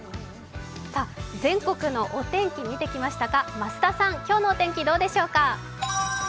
全国のお天気見てきましたが今日のお天気、いかがでしょうか。